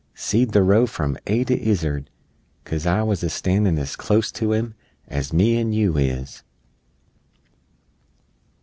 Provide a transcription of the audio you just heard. Seed the row from a to izzard 'Cause I wuz a standin' as clost to 'em As me an' you is!